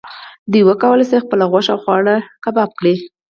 دوی وکولی شول خپله غوښه او خواړه کباب کړي.